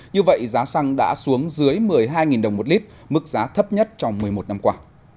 như vậy giá xăng đã xuống dưới một mươi hai đồng một lít mức giá thấp nhất trong một mươi một năm qua